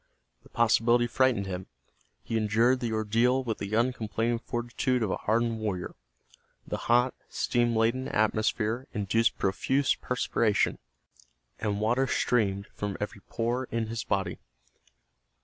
The possibility frightened him. He endured the ordeal with the uncomplaining fortitude of a hardened warrior. The hot, steam laden atmosphere induced profuse perspiration, and water streamed from every pore in his body.